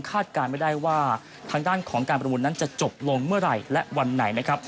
การไม่ได้ว่าทางด้านของการประมูลนั้นจะจบลงเมื่อไหร่และวันไหนนะครับ